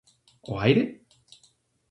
O aire?